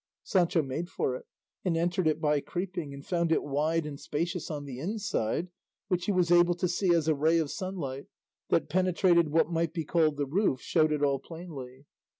Sancho made for it, and entered it by creeping, and found it wide and spacious on the inside, which he was able to see as a ray of sunlight that penetrated what might be called the roof showed it all plainly.